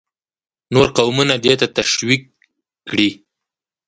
نور قومونه دې ته تشویق کړي.